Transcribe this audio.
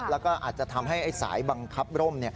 แล้วก็อาจจะทำให้สายบังคับร่ม